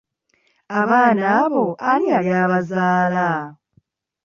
Abaana abo ani yali abazaala?